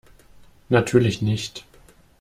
Natürlich nicht.